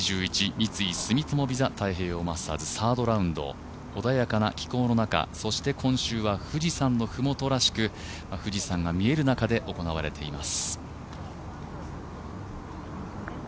三井住友ＶＩＳＡ太平洋マスターズサードラウンド穏やかな気候の中、そして今週は富士山の麓らしく富士山が見える中で行われています。